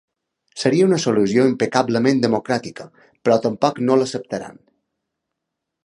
Seria una solució impecablement democràtica, però tampoc no l’acceptaran.